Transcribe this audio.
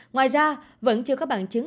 ngoài ra vẫn chưa có bằng chứng